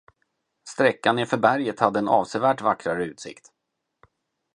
Sträckan nerför berget hade en avsevärt vackrare utsikt.